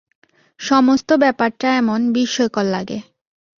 সমস্ত ব্যাপারটা এমন বিস্ময়কর লাগে!